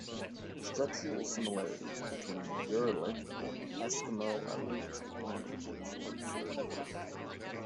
Structural similarities between Uralic and Eskimo-Aleut languages were observed early.